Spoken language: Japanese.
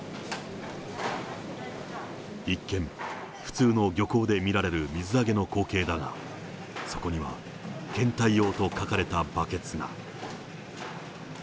一見、普通の漁港で見られる水揚げの光景だが、そこには、検体用と書かれたバケツが。